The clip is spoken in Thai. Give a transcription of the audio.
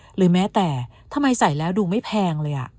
หรือแม้แต่ทำไมใส่แล้วดูไม่แพงเลย